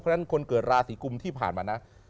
เพราะฉะนั้นคนเกิดราศีกุมที่ผ่านมานะ